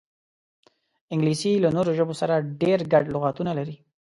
انګلیسي له نورو ژبو سره ډېر ګډ لغاتونه لري